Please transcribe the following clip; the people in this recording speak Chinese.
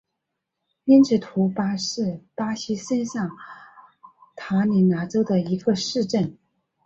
因比图巴是巴西圣卡塔琳娜州的一个市镇。